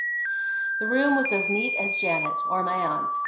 The room was as neat as Janet or my aunt.